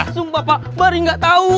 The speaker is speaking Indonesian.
sumpah pak baru gak tau